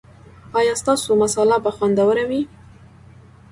ایا ستاسو مصاله به خوندوره وي؟